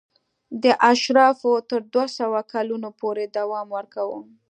دا اشرافو تر دوه سوه کلونو پورې دوام ورکاوه.